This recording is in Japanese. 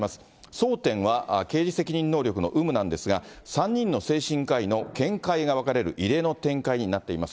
争点は刑事責任能力の有無なんですが、３人の精神科医の見解が分かれる異例の展開になっています。